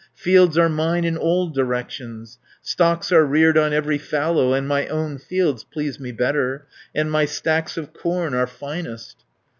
Fields are mine in all directions, Stocks are reared on every fallow, And my own fields please me better, And my stacks of corn are finest."